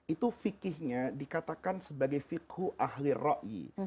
itu fikihnya dikatakan sebagai fikhu ahli roi